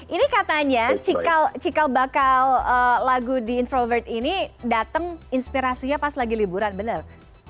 ini katanya cikal bakal lagu di introvert ini datang inspirasinya pas lagi liburan bener